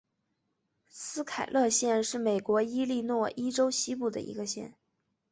斯凯勒县是美国伊利诺伊州西部的一个县。